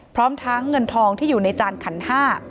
พร้อมทั้งเงินทองที่อยู่ในจานขันห้า